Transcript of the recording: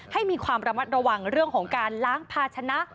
ให้มีความระมัดระวังเรื่องของการล้างภาชนะ